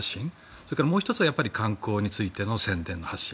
それから、もう１つは観光についての宣伝の発信。